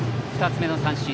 ２つ目の三振。